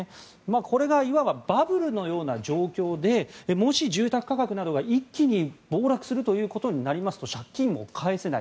これが、いわばバブルのような状況でもし住宅価格などが一気に暴落することになると借金を返せない。